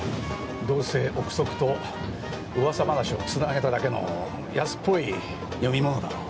どうせ臆測とうわさ話を繋げただけの安っぽい読みものだろう？